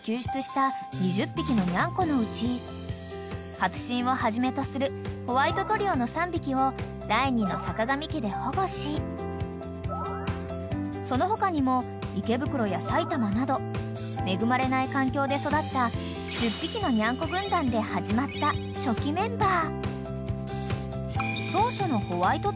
［勝新をはじめとするホワイトトリオの３匹を第２のさかがみ家で保護しその他にも池袋や埼玉など恵まれない環境で育った１０匹のニャンコ軍団で始まった初期メンバー］